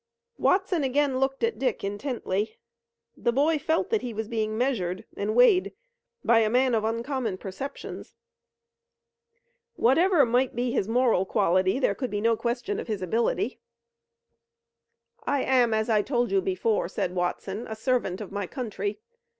Watson again looked at Dick intently. The boy felt that he was being measured and weighed by a man of uncommon perceptions. Whatever might be his moral quality there could be no question of his ability. "I am, as I told you before," said Watson, "a servant of my country.